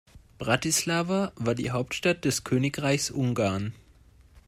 Bratislava war die Hauptstadt des Königreichs Ungarn.